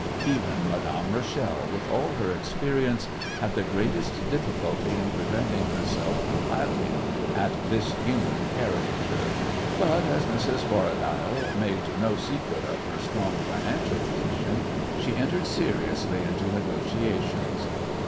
Even Madame Rachel, with all her experience, had the greatest difficulty in preventing herself from laughing at this human caricature, but as Mrs. Borradaile made no secret of her strong financial position she entered seriously into negotiations.